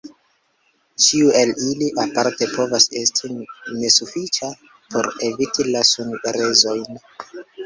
Ĉiu el ili aparte povas esti nesufiĉa por eviti la sunlezojn.